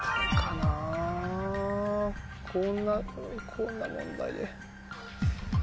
こんな問題で。